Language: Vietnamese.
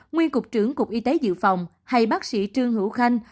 nguyên cục trưởng cục y tế dự phòng hay bác sĩ trương hữu khanh